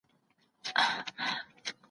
شرف د انسان په زړه کي دی.